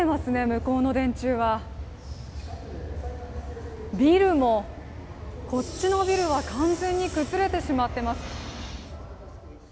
向こうの電柱はビルもこっちのビルは完全に崩れてしまってます。